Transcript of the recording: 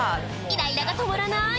イライラが止まらない！